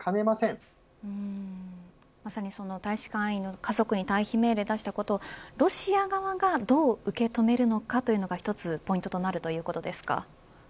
まさにその大使館員の家族に退避命令を出したことをロシア側がどう受け止めるのかというのが１つのポイントとなりますかね。